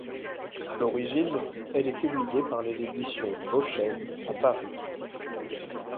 À l'origine, elle est publiée par les éditions Beauchesne à Paris.